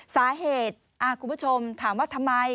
สาเหตุคุณผู้ชมถามว่าทำไม